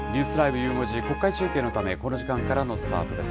ゆう５時、国会中継のため、この時間からのスタートです。